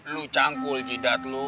lo canggul jidat lo